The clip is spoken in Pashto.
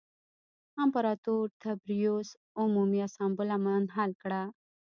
امپراتور تبریوس عمومي اسامبله منحل کړه